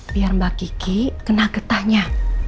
biar mbak kiki kena getahnya